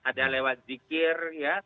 ada lewat zikir